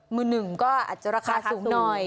มือหนึ่งก็อาจจะราคาสูงหน่อย